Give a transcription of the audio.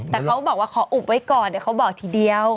แต่เขาบอกว่าขออุบไว้ก่อนเดี๋ยวเขาบอกทีเดียว